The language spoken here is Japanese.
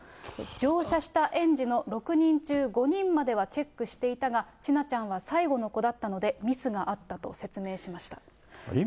乗車した園児の６人中５人まではチェックしていたが、千奈ちゃんが最後の子だったのでミスがあったと説明しました。